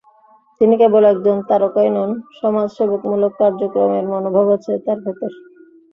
তিনি কেবল একজন তারকাই নন, সমাজসেবামূলক কার্যক্রমের মনোভাব আছে তাঁর ভেতর।